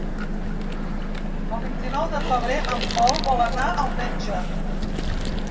El vint-i-nou de febrer en Pol vol anar al metge.